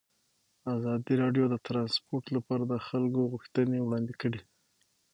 ازادي راډیو د ترانسپورټ لپاره د خلکو غوښتنې وړاندې کړي.